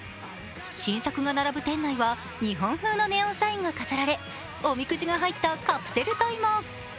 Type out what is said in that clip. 新作が並ぶ店内は日本風のネオンサインが飾られおみくじが入ったカプセルトイも。